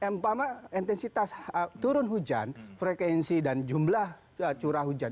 empama intensitas turun hujan frekuensi dan jumlah curah hujan